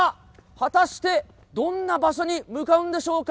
果たして、どんな場所に向かうんでしょうか。